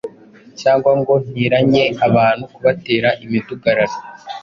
cyangwa ngo nteranye abantu kubatera imidugararo,